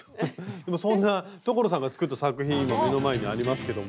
でもそんな所さんが作った作品今目の前にありますけども。